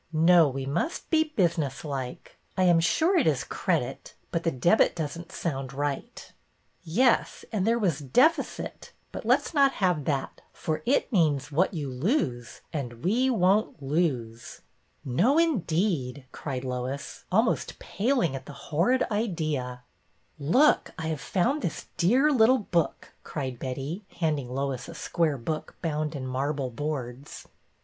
No, we must be business like. I am sure it is Credit, but the Debit does n't sound right." Yes, and there was Deficit, but let 's not have that, for it means what you lose, and we won't loser '' No, indeed," cried Lois, almost paling at the horrid idea. BETTY "IN A PICKLE" 75 '' Look, I have found this dear little book," cried Betty, handing Lois a square book bound in marble boards.